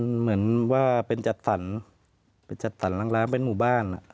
เหมือนว่าเป็นจัดสรรไปจัดสรรล้างเป็นหมู่บ้าน